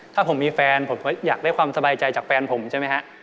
ถ้าผมมีแฟนผมก็อยากได้ความสบายใจจากแฟนผมใช่ไหมฮะ